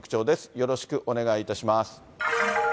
よろしくお願いします。